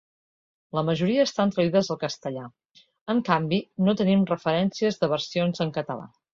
La majoria estan traduïdes al castellà; en canvi, no tenim referències de versions en català.